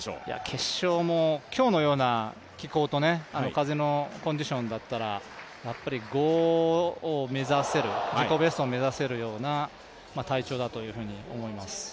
決勝も今日のような気候と風のコンディションだったら５を目指せる自己ベストを目指せるような体調だというふうに思います。